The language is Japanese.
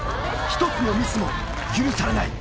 １つのミスも許されない。